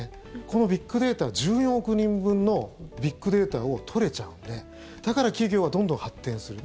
このビッグデータ１４億人分のビッグデータを取れちゃうのでだから、企業はどんどん発展する。